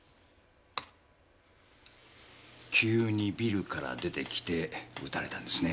急にビルから出てきて撃たれたんですね。